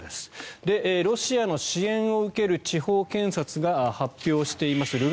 ロシアの支援を受ける地方検察が発表しています。